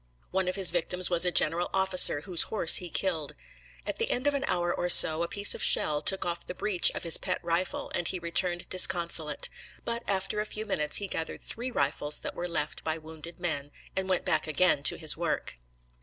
One of his victims was a general officer, whose horse he killed. At the end of an hour or so, a piece of shell took off the breech of his pet rifle, and he returned disconsolate; but after a few minutes he gathered three rifles that were left by wounded men, and went back again to his work.